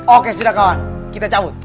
oke sudah kawan kita cabut